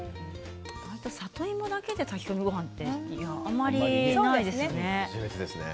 里芋だけの炊き込みごはんってあまりないですね。